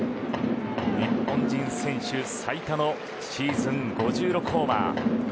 日本人選手最多のシーズン５６ホーマー。